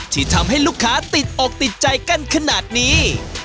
ที่ทำให้ลูกค้าติดอกติดใจกันขนาดนี้